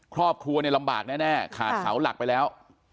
ครอบครัวเนี่ยลำบากแน่ขาดเสาหลักไปแล้ว